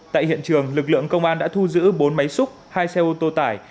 tại hiện trường lực lượng công an đã thu giữ bốn máy xúc hai xe ô tô tải